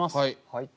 はい！